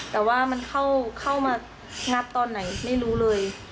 แต่ว่ามันเข้ามางัดตอนไหนไม่รู้เลย